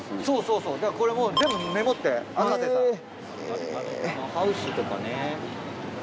そうそうそうだからこれも全部メモって赤瀬さん。